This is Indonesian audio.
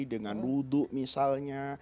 dengan duduk misalnya